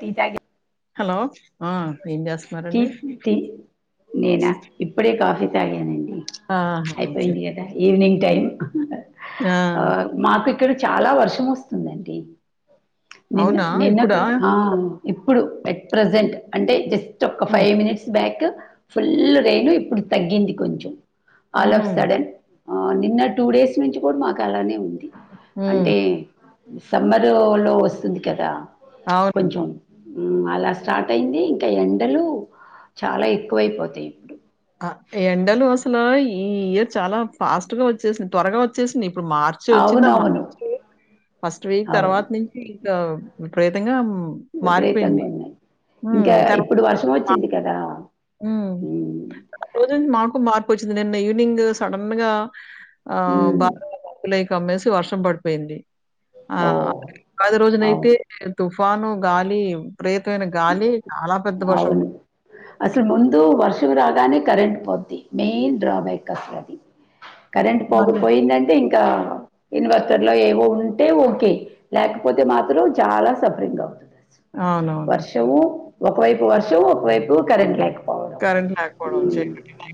T తగ hello ఆ ఏం చేస్తున్నారండి టీటీ నేనా ఇప్పుడే కాఫీ తాగానండి ఆహా ఓకే అయిపోయింది కదా ఈవినింగ్ టైం ఆ మాకు ఇక్కడ చాలా వర్షం వస్తుందండి నిన్న అవునా నిన్న ఇప్పుడా కూడా ఆ అ ఇప్పుడు ఎట్ ప్రజెంట్ అంటే జస్ట్ ఒక హ్మ్ ఫైవ్ మినిట్స్ బ్యాక్ ఫుల్ రెను ఇప్పుడు తగ్గింది కొంచెం ఆల్ ఉహూ ఆఫ్ సడన్ ఆ నిన్న టూ డేస్ నుంచి కూడా మాకు అలానే ఉంది హ్మ్ అంటే సమ్మర్ లో వస్తుంది కదా అవును కొంచెం అలా స్టార్ట్ అయింది ఇంకా ఎండలు చాలా ఎక్కువైపోతాయి ఇప్పుడు ఆ ఎండలు అసలు ఈ ఇయర్ చాలా ఫాస్ట్ గా వచ్చేసింది త్వరగా వచ్చేసినై ఇప్పుడు మార్చి వచ్చింద ఆ మార్చ అవునవును. ఫస్ట్ వీక్ అవును. తర్వాత నుంచి ఇగ విపరీతంగా విపరీతంగా మారిపోఇంది ఉన్నాయి. ఇంకా ఇప్పుడు వర్షం వచ్చింది కదా హుమ్ రోజుంచి మాకు మార్పు వచ్చింది నిన్న ఈవనింగ్ సడన్ గా ఆ హ్మ్. బలైక్ కమ్మేసి వర్షం పడిపోయింది ఆ ఓహ్! పది రోజులైతే అవును తుఫ ను గాలి ప్రతమైన గాలి చాలా పెద్ద వర్షం అవును అసలు ముందు వర్షం రాగానే కరెంట్ పోద్ది మెయిన్ డ్రాబ్యాక్ అసలు అది కరెంట్ పడుతుందండి. పోకపోయిందంటే ఇంకా ఇన్వెస్టర్ లో ఏవో ఉంటే ఓకే లేకపోతే మాత్రం చాలా సఫరింగ్ అవుతది అవునవును. వర్షము ఒకవైపు వర్షము ఒకవైపు కరెంట్ లేక్ పోవడం కరెంట్ లేకపోవడం, హుమ్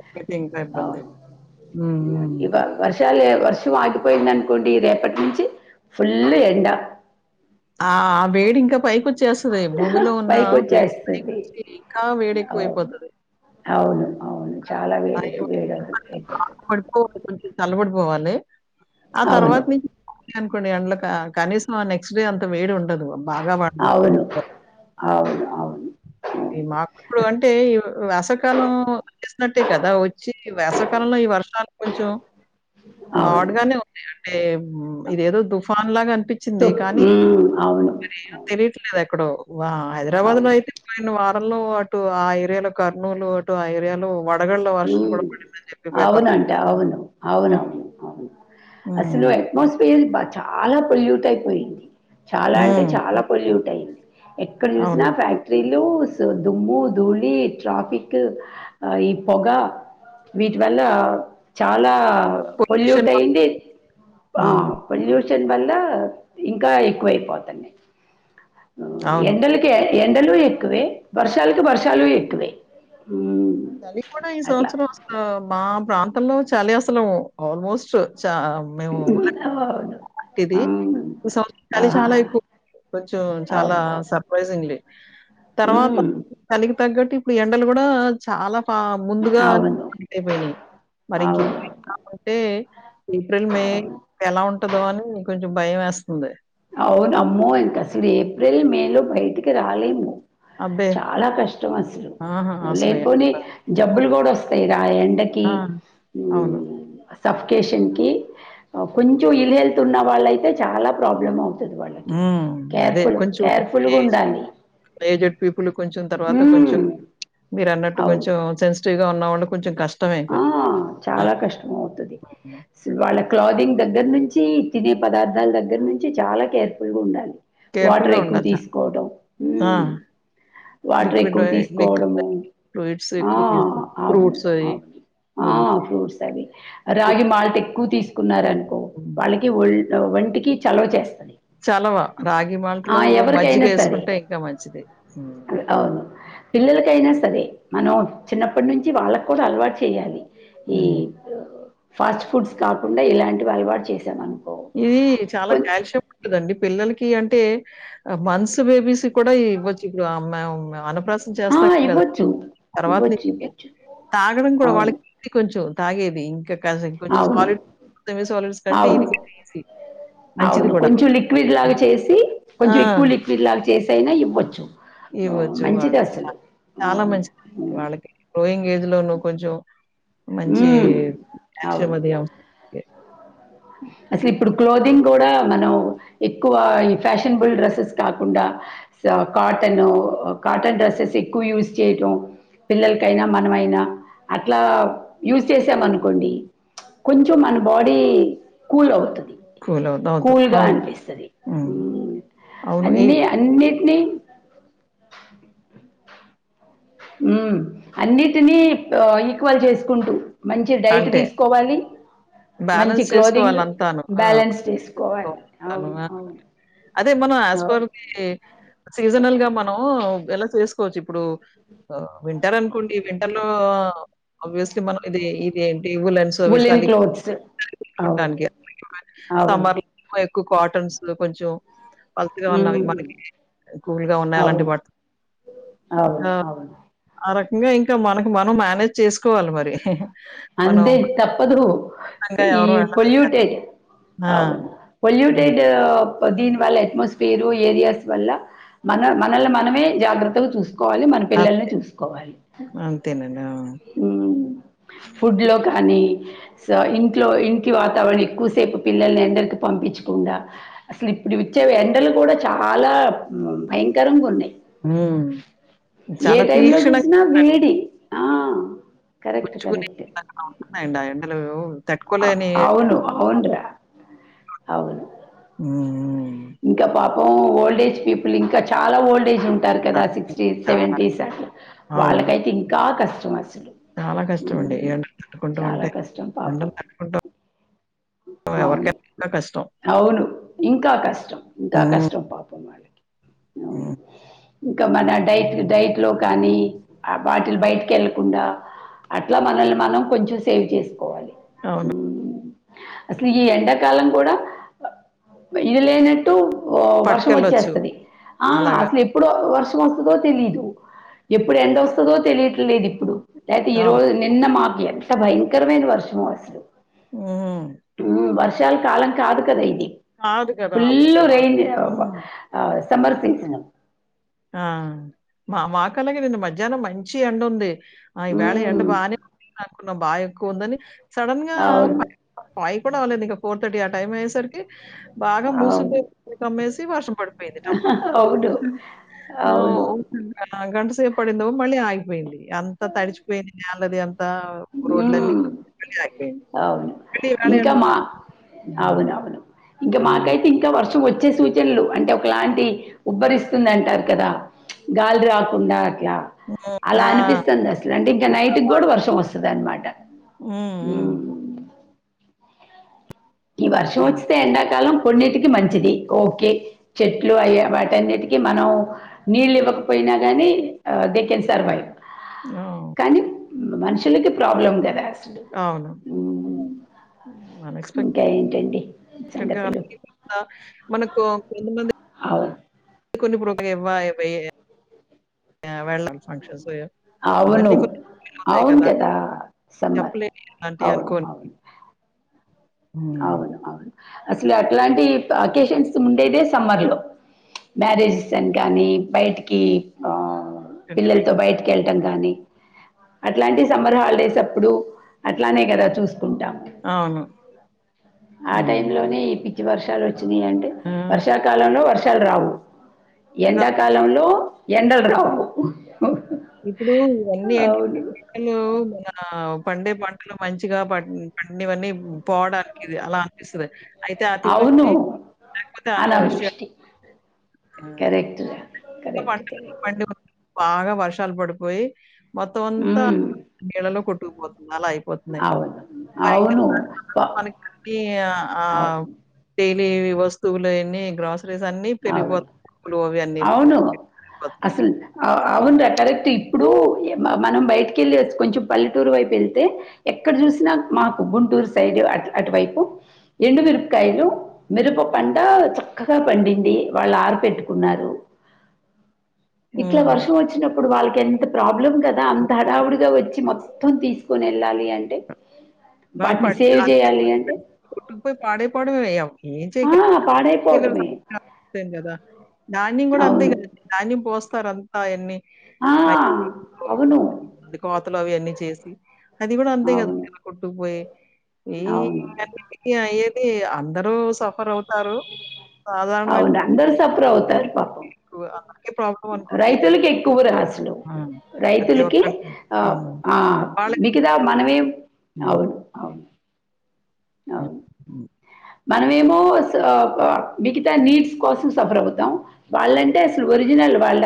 చీకట్లయితే ఇంకా ఇబ్బంది. అవును హ్మ్. హ్మ్. ఇవ వర్షాలే వర్షం ఆగిపోయింది అనుకోండి ఈ రేపటి నుంచి ఫుల్ ఎండ ఆ వేడి ఇంకా పైకి వచ్చేస్తది భూమిలో ఉన్న వేడి పైకొచ్చేస్తది. ఇంకా వేడి అవును. ఎక్కువైపోతుది అవును అవును చాలా వేడెక్కి వేడ అతు పోవాలి ఆ తర్వాత ను అనుకోండి అ కనీసం ఆ నెక్స్ట్ నెక్స్ట్ డే అంత వేడి ఉండదు బాగా వాడు అవును అవును అవును ఈ మాకు ఇప్పుడు అంటే ఈ వేసవికాలం వచ్చేసినట్టే కదా వచ్చి వేసవికాలంలో ఈ వర్షాలు కొంచం అవును హాట్ గానే ఉంది అంటే ఇదేదో తుఫాన్ లాగా తు అనిపించింది కానీ మ్మ్ అవును మరే ఏం అవును తెలియట్లేదు ఎక్కడో వా హైదరాబాద్ లో అవును అయితే పోయిన వారంలో అటు ఆ ఏరియాలో కర్నూలు అటు ఆ ఏరియాలో వడగళ్ళ వర్షం ఉమ్ కూడా పడిందని చెప్పి అవును పేపర్‌లో అంట అవును అవును హ్మ్. అసలు హ్మ్. ఎట్మాస్ఫియర్ చాలా పొల్యూట్ అయిపోయింది చాలా అంటే హ్మ్. చాలా పొల్యూట్ అయింది ఎక్కడ చూసినా అవును. ఫ్యాక్టరీలు సో దుమ్ము ధూళి ట్రాఫిక్ అ పొగ వీటి వల్ల చాలా పొల్యూట్ పొల్యూషన్ వల్ల అయింది ఆ హ్మ్. పొల్యూషన్ వల్ల ఇంకా ఎక్కువైపోతుంది అవును. ఎండలకే ఎండలు ఎక్కువే వర్షాలకు వర్షాలు ఎక్కువే ఉమ్ చలి కూడా ఈ సంవత్సరం అసలు మా ప్రాంతంలో చలి అసలు ఆల్మోస్ట్ చ మేము ఉన్న అవును. ఇది అవును. ఈ సంవత్సరం చలి ఆహా! చాలా ఎక్కువ కొంచం చాలా అవును. సర్ప్రైజింగ్ తర్వాత హ్మ్. చలికి తగ్గట్టు ఇప్పుడు ఎండలు కూడా చాలా ముందుగా అ అవును. అయిపోయినాయి మరి ఇంక అవును. ఇప్పుడు ఇలా ఉంటే ఏప్రిల్ మే అవును. ఎలా ఉంటదో అని కొంచెం భయం వేస్తుంది అవును అమ్మో ఇంకా అసలు ఏప్రిల్ మే లో బయటికి రాలేము అబ్బే! చాలా కష్టం అసలు ఆహా! అసలు లేనిపోని ఎండ హ్మ్. జబ్బులు కూడా వస్తాయి ఇగ ఆ ఎండకి ఆ! అవును. సఫికేషన్కి కొంచెం ఇల్ హెల్త్ ఉన్న వాళ్ళైతే చాలా ప్రాబ్లం అవుతుంది వాళ్ళకి హ్మ్. కేర్ఫుల్ కేర్ఫుల్గా ఉండాలి ఏజెడ్ పీపుల్ కొంచెం తర్వాత కొంచెం మీరు అన్నట్టు అవును. కొంచెం సెన్ [unintelligible] ఉన్న వాళ్ళు కొంచం కష్టం ఆ చాలా కష్టం అవుతుది అసలు వాళ్ళ క్లాథింగ్ దగ్గర నుంచి తినే పదార్థాల దగ్గర నుంచి చాలా కేర్ఫుల్ గా ఉండాలి వాటర్ కేర్‌ఫుల్‌గా ఎక్కువ ఉండాలి చాలా. తీసుకోవడం ఉమ్ ఆ! వాటర్ లిక్విడ్ ఎక్కువ లిక్విడ్ తీసుకోవడము ఫ్లూయిడ్స్ ఆ ఎక్కువ తీసుకుంటా. అవు ఫ్రూట్స్ అయి. ఆ హ్మ్. ఫ్రూట్స్ అవి ఫుడ్ రాగి మాల్ట్ ఎక్కువ తీసుకున్నారనుకో వాళ్ళకి ఒళ్ళు ఒంటికి చలవ చేస్తది చలవా రాగి మాల్ట్ ఆ! లో మజ్జిగ ఎవరికైనా సరే. వేసుకుంటే ఇంకా మంచిది అయినా సరే మనం చిన్నప్పటి నుంచి వాళ్ళకు కూడా అలవాటు చేయాలి ఈ హ్మ్. ఫాస్ట్ ఫుడ్స్ కాకుండా ఇలాంటి అలవాటు చేసామనుకో ఇది చాలా కాల్షియం ఉంటదండి పిల్లలకి అంటే మంత్స్ బేబీస్ కూడా ఇవ్వచ్చు ఇప్పుడు మేము మేము అన్నప్రాసం ఆ! చేస్తాం కదా ఇవ్వచ్చు. తర్వాత ను ఇవ్వచ్చు, ఇవ్వచ్చు. తాగడం కూడా అవును. వాళ్ళకి కొంచెం తాగేది ఇంకా కొంచెం అవును. సాలిడ్ సెమీ సాలిడ్స్ కంటే అవును. ఇదిక అవును కొంచెం లిక్విడ్ లాగా చేసి కొంచెం ఆ! ఎక్కువ లిక్విడ్ లాగా చేసైనా ఇవ్వచ్చు ఆహ్, ఇవ్వచ్చు వాళ్ళకి మంచిదసలు. చాలా అవును. మంచి హ్మ్. వాళ్ళకి గ్రోయింగ్ ఏజ్లోనూ కొంచెం మంచి హ్మ్. కాల్షియం అవును. అది అవసరం అసలు ఇప్పుడు క్లోతింగ్ కూడా మనం ఎక్కువ ఈ ఫ్యాషనబుల్ డ్రెస్సెస్ కాకుండా కాటన్ కాటన్ డ్రెస్సెస్ ఎక్కువ యూస్ చేయటం పిల్లలకైనా మనమైనా అట్లా యూజ్ చేసామనుకోండి కొంచెం మన బాడీ కూల్ అవుతుంది కూల్ అవుత్ అవుతు కూల్గా అవును. అనిపిస్తది హ్మ్. అవును. ఈ అన్ని అన్ని టిని ఉమ్ అన్నిటిని ఆ ఈక్వల్ చేసుకుంటు మంచి డైట్ అంటే తీసుకోవాలి మంచి బ్యాలెన్స్ క్లోథింగ్ చేసుకోవాలంతాను. ఆ! బ్యాలెన్స్ చేసుకోవాలి చేసుకోవాలంతాను. అవును ఆ! అవును అదే మనం యాస్ పర్ అవును ది సీజనల్ గా మనం ఎలా చేసుకోవచ్చు ఇప్పుడు వింటర్ అనుకోండి వింటర్ లో అబ్వియస్లీ మనం ఇది ఇది ఏంటి వులెన్స్ అవి ఉలెన్ చలికి క్లోత్స్ అవును దానికి అవును సమ్మర్ లో ఎక్కువ కాటన్స్ కొంచెం పల్సగా ఉన్నవి మ్మ్ మనకి కూల్గా ఉన్నాయి అలాంటి అవును వాటితో అవును అవును ఇంగా ఇంకా మనకు మనం మానేజ్ చేసుకోవాలి మరి మనం అంతే తప్పదురో బలవంతంగా ఈ ఎవరు వెళ్ళలేం కదా! పొల్యూటెడ్ ఆ! అవును హ్మ్. పొల్యూటెడు దీనివల్ల అట్మాస్ఫీరు ఏరియాస్ వల్ల మన మనల్ని మనమే జాగ్రత్తగా చూస్ కోవాలి మన పిల్లల్ని అంతే. చూసుకోవాలి అంతేనండి. ఆ! ఫుడ్లో కానీ కానీ సో ఇంట్లో ఇంట్లో వాతావరణం ఎక్కువసేపు పిల్లల్ని ఎండకు పంపించకుండా అసలు ఇప్పుడు విచ్చే ఎండలు కూడా చాలా ఉమ్ భయంకరంగా ఉన్నయి హ్మ్. ఏ చాలా టైమ్ లో తీక్షణంగా జూసినా ఉంటాయి. వేడి ఆ కరెక్ట్ కరెక్ట్ అ ఎండ ఎండలు అ తట్టుకోలేని అవును అవున్రా అవును ఊ ఇంకా పాపం ఓల్డేజ్ పీపుల్ ఇంకా చాలా ఓల్డేజ్ ఉం టారు కదా సిక్స్టీ చాలా సెవెంటీస్ అట్ల అవును. వాళ్ళకైతే ఇంకా కష్టం అసలు చాలా కష్టమండి మ్మ్ ఎండలు తట్టుకోవటం చాలా అంటే కష్టం ఎండలు పాపం తట్టుకుంటం అవును అవును ఇంకా కష్టం ష్టం ఇంకా హ్మ్. కష్టం పాపం వాళ్ళకి హ్మ్. అవును ఇంకా మన డైట్ డైట్లో కానీ ఆ వాకిలి బయటి కెళ్ళకుండా అట్లా మనల్ని మనం కొంచెం సేవ్ చేసుకోవాలి అవును మ్మ్. అసలు ఈ ఎండాకాలం కూడా అ ఇది లేనట్టు ఓ వర్షం పట్టుకెళ్ళొచ్చు. వచ్చేస్తది ఆ అలాగా. అసలు ఎప్పుడు వర్షం వస్తదో తెలిదు ఎప్పుడు ఎండ వస్తదో తెలియట్లేదిప్పు ఇప్పుడు లేకపోతే ఈ అవును. రోజు నిన్న మాకు ఎంత భయంకరమైన వర్షమో అసలు ఊమ్ మ్మ్. వర్షాల కాలం కాదు కదా ఇది కాదు కదా! అప్పుడు ఫుల్ మా మాకు రైన్ అబ హ్మ్. సమ్మర్ సీసను ఆ మా మాకలాగేనండి మధ్యాహ్నం మంచి ఎండుంది ఆ ఈవేళ ఎండ బానే కొడుతుందనుకున్న బా ఎక్కువ ఉందని సడన్ గా అవును ఫైవ్ ఫైవ్ కూడా అవ్వలేదు ఇంక ఫోర్ థర్టీ ఆ టైమ్ అయ్యేసరికి బాగా మూసుకుపోయి కమ్మేసి వర్షం పడు హా హా అవును ఆ అవును ఒ గంటసేపు పడిందో మళ్ళీ ఆగిపోయింది. అంత తడిచిపోయింది. నేలది అంతా హ్మ్ రోడ్లన్నీక మళ్ళీ ఆగిపోయింది. అవును పెళ్ళి గాలే ఇంకా అంట మా ఉమ్ అవునవును ఇంకా మాకైతే ఇంకా వర్షం వచ్చే సూచనలు అంటే ఒకలాంటి ఉబ్బరిస్తుందంటారు కదా గాలి రాకుండా ఉమ్ ఆ ఉంటుందసలు అంటే ఇంకా ఒక్క నైట్కి గూడా మాట. వర్షం వస్తదన్నమాట హ్మ్. హ్మ్. ఉమ్ ఈ వర్షం హ్మ్. వచ్చితే ఎండాకాలం కొన్నిటికి మంచిది ఓకే చెట్లు అయ వాటన్నిటికీ మనం నీళ్ళు ఇవ్వకపోయినా గాని దేకెన్ సర్వైవ్ ఆ కానీ మనుషులకి ప్రాబ్లం గదా అవును అన్ఎస్పెట్ ఇంకా ఏంటండి సంగతులు మనకు కొంతమంది అవును కొన్ని ఇప్పుడు ఒక ఎవ్వాయి వెయ్యి వెళ్ళాలి ఫంక్షన్స్ అవును అవన్నీ కొన్ని అవుతాయి అవును కదా సమ్మర్ చెప్పలేని అలాంటివి అవును అనుకోని. అవును హ్మ్. అవును అవును అసలు అట్లాంటి అకేషన్స్ ఉండేదే సమ్మర్ లో మ్యారేజెస్ అని కానీ బయటికి ఆ నిజమే. పిల్లలతో బయటికి వెళ్ళటం కానీ అట్లాంటి సమ్మర్ హాలిడేస్ అప్పుడు అట్లానే గదా చూసుకుంటాం అవును ఆ టైం అవునండి. లోనే పిచ్చి వర్షాలు వచ్చినాయంటే ఆ! వర్షాకాలంలో వర్ష రావు ర ఎండాకాలంలో ఎండలు రావు ఇప్పుడు ఇవన్నీ ఏంటంటే అవును పంటలు మన పండే పంటలు మంచిగా ప పండివన్నీ పోవడానికి ఇది అలా అనిపిస్తది. అయితే అవును అతివృష్టి లేకపోతే అనావృష్టి అవును కరెక్ట్ కరెక్ట్ కరెక్ట్ వర్షాలు పడిపోయి మొత్తం అంతా మ్మ్. నీళ్ళలో కొట్టుకుపోతా అలా అయిపోతున్నాయి. అవును అవును ప- ఈ ఆ అవును లీవి వస్తువులు అయన్ని గ్రాసరీస్ అన్ని పెరిగిపోతు అవును అవును పెరిగిపోతున్నాయి. అసలు అవునురా కరెక్ట్ ఇప్పుడు మనం బయటికి యెళ్ళి వ కొంచెం పల్లెటూరు వైపు వెళ్తే ఎక్కడ చూసినా మాకు గుంటూరు సైడ్ అ అటువైపు ఎండు మిరపకాయలు మిరప పంట చక్కగా పండిం ది వాళ్ళు ఆరు పెట్టుకున్నారు ఇట్లా హ్మ్. వర్షం వచ్చినప్పుడు ఇప్పుడు వాళ్ళకి ఎంత ప్రాబ్లం కదా అంత హడావుడిగా వచ్చి మొత్తం తీసుకొని యెళ్ళాలి అంటే వాటిని సేవ్ జేయాలి అంటే, కొట్టుకుపోయి పాడే పోవడమే ఏం ఆ! చేస్తారు పాడైపోవటమే. ఇంక కదా ధాన్యం గూడా అంతే అవును. కదా ధాన్యం పోస్తారు అంతా అయన్నీ ఆ అవును తులఅవి అన్ని చేసి అది గూడా అంతే అవును. గదా కొట్టుపోయి అవును. ఈఅన్నీటికి అయ్యి అందరూ సఫర్ అవుతారు. అవును అందరు సఫర్ అవుతారు పాపం మీకు అందరికి ప్రాబ్లం అనుకోండి రైతులకి ఎక్కువ రా అసలు హ్మ్. ప్రతి రైతులకి ఒక్కరికి. ఆ హ్మ్. ఆ వాళ్ళే మిగతా మనమే అవును అవును అ అవును. మనమేమో మిగతా నీడ్స్ కోసం సఫర్ అవుతాం వాళ్ళంటే అసలు ఒరిజిన్ వాళ్ళ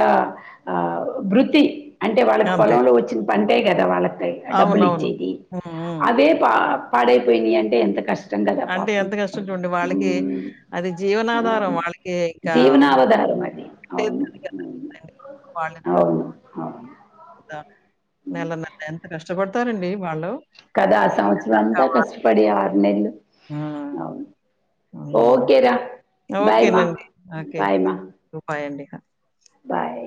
వృత్తి అంటే వాళ్ళకి అంతే. పొలంలో వచ్చిన పంటే కదా వాళ్ళకి డబ్బులి అవునవును. ఇచ్చేది హ్మ్. హ్మ్. అదే పా పాడైపోయినాయి అంటే ఎంత కష్టం కదా పాపం డి వాళ్ళకి హ్మ్. అది జీవనాధారం వాళ్ళకి ఇంకా జీవనావధారం ఉండేది అవును కాదు కదా! అవును రెండు రోజులు వాళ్ళు అవును అవును నెల నెల ఎంత కష్టపడతారండి వాళ్ళు కదా ఆ సంవత్సరం ఇంకా అంతా వాళ్ళు కష్టపడి ఆరు నెలలు ఆ! అవును అది. ఓకేరా బాయ్మా ఓకేనండి. ఓకే. బాయ్మా బాయ్ అండి. బాయ్